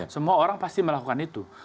semua orang pasti melakukan itu